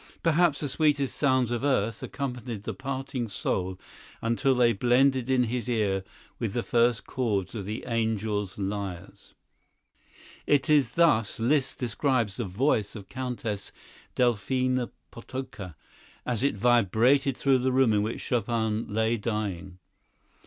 Perhaps the sweetest sounds of earth accompanied the parting soul until they blended in his ear with the first chords of the angels' lyres." It is thus Liszt describes the voice of Countess Delphine Potocka as it vibrated through the room in which Chopin lay dying.